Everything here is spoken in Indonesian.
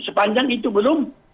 sepanjang itu belum